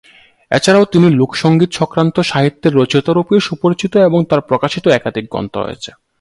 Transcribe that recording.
এছাড়াও তিনি লোকসঙ্গীত সংক্রান্ত সাহিত্যের রচয়িতা রূপেও সুপরিচিত এবং তার প্রকাশিত একাধিক গ্রন্থ রয়েছে।